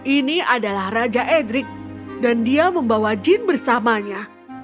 ini adalah raja edric dan dia membawa jin bersamanya